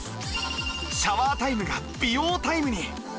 シャワータイムが美容タイムに！